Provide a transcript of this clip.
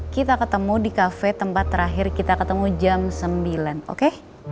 kita ketemu di kafe tempat terakhir kita ketemu jam sembilan oke